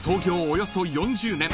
およそ４０年